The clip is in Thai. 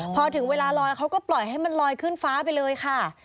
พอถึงเวลาลอยเขาก็ปล่อยให้มันลอยขึ้นฟ้าไปเลยค่ะ